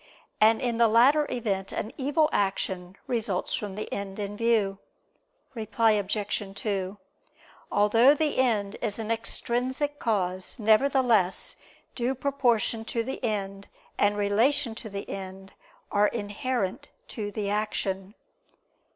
And in the latter event, an evil action results from the end in view. Reply Obj. 2: Although the end is an extrinsic cause, nevertheless due proportion to the end, and relation to the end, are inherent to the action.